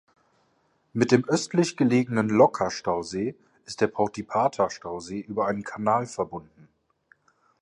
Mit dem östlich gelegenen Lokka-Stausee ist der Porttipahta-Stausee über einen Kanal verbunden.